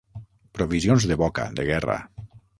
Provisions de boca, de guerra.